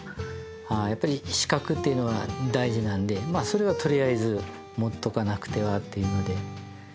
やっぱり資格っていうのは大事なのでまあそれはとりあえず持っておかなくてはというので。